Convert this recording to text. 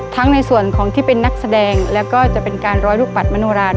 ในส่วนของที่เป็นนักแสดงแล้วก็จะเป็นการร้อยลูกปัดมโนรา